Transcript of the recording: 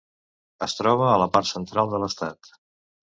Es troba a la part central de l"estat.